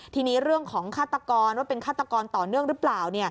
ทีนี้เรื่องของฆาตกรว่าเป็นฆาตกรต่อเนื่องหรือเปล่า